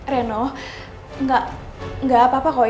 tentunya kita mau secret